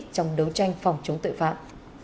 trong đấu tranh phòng chống tội phạm